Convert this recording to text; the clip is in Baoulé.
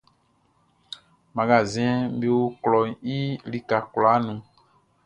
Magasinʼm be o klɔʼn i lika kwlaa nun.